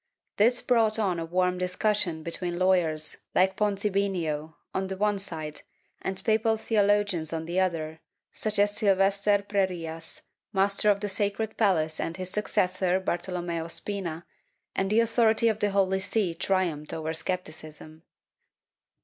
This brought on a warm discussion between law yers like Ponzinibio on the one side and papal theologians on the other, such as Silvester Prierias, Master of the Sacred Palace and his successor Bartolommeo Spina, and the authority of the Holy See triumphed over scepticism.